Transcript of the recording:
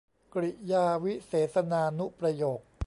กริยาวิเศษณานุประโยค